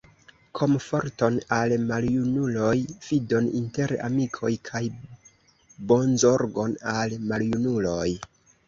Komforton al maljunuloj, fidon inter amikoj, kaj bonzorgon al maljunuloj.